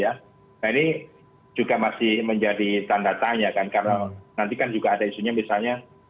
nah ini juga masih menjadi tanda tanya kan karena nanti kan juga ada isunya misalnya